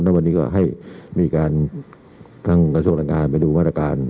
แล้ววันนี้ก็ให้มีการตั้งกระทรวงแรงงานไปดูมาตรการ